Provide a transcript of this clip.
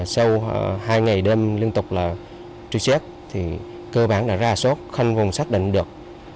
sau hai ngày đêm liên tục truy xét cơ bản đã ra số không xác định được